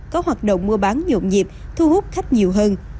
có hoạt động mua bán nhộn nhịp thu hút khách nhiều hơn